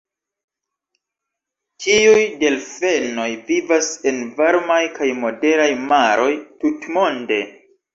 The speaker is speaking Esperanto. Tiuj delfenoj vivas en varmaj kaj moderaj maroj tutmonde.